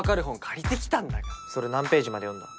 借りてきたんだからそれ何ページまで読んだ？